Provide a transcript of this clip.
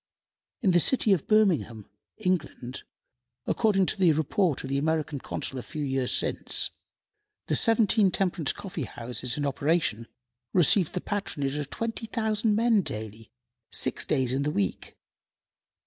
In the city of Birmingham, England, according to the report of the American Consul a few years since, the seventeen temperance coffee houses in operation received the patronage of 20,000 men daily, six days in the week.